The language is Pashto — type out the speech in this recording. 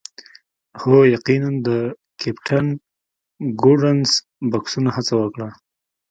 هو یقیناً د کیپټن ګوډنس بکسونه هڅه وکړه